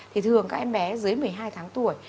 thì thường các em bé dưới một mươi hai tháng tuổi